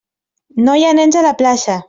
No hi ha nens a la plaça!